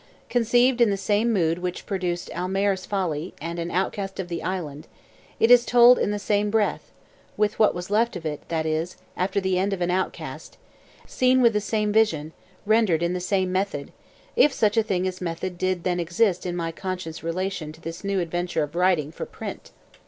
Conceived in the same mood which produced Almayers Folly and An Outcast of the Islands, it is told in the same breath (with what was left of it, that is, after the end of An Outcast), seen with the same vision, rendered in the same method if such a thing as method did exist then in my conscious relation to this new adventure of writing for print.